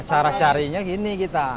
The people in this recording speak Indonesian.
cara carinya gini kita